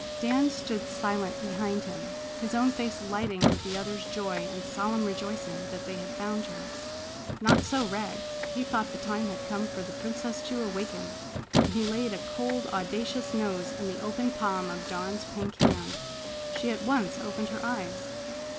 Dan stood silent behind him, his own face lighting with the other's joy and solemn rejoicing that they had found her. Not so Rags. He thought the time had come for the princess to awaken and he laid a cold, audacious nose in the open palm of Dawn's pink hand. She at once opened her eyes.